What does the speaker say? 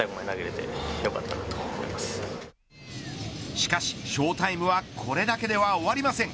しかし、ショータイムはこれだけでは終わりません。